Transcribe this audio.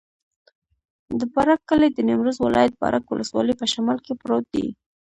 د بارک کلی د نیمروز ولایت، بارک ولسوالي په شمال کې پروت دی.